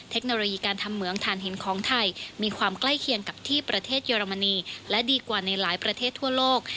เทคโนโลยีการทำเหมืองฐานหินของไทยมีความใกล้เคียงกับที่ประเทศเยอรมนีและดีกว่าในหลายประเทศทั่วโลก